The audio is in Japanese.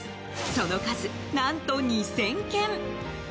その数、何と２０００件！